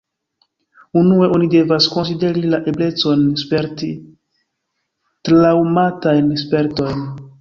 Unue oni devas konsideri la eblecon sperti traŭmatajn spertojn.